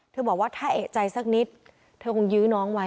บอกว่าถ้าเอกใจสักนิดเธอคงยื้อน้องไว้